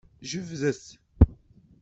Jebdet.